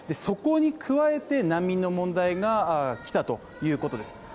そこに加えて難民の問題が来たということです